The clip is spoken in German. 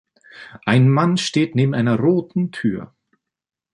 Ein Mann steht neben einer roten Tür.